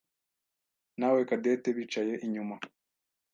nawe Cadette bicaye inyuma.